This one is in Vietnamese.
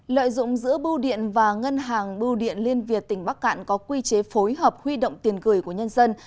lợi dụng giữa bưu điện và ngân hàng bưu điện liên việt tỉnh bắc cạn có quy chế phối hợp huy động tiền gửi của nhân dân